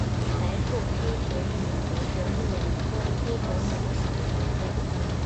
白腹黑啄木鸟为啄木鸟科黑啄木鸟属的鸟类。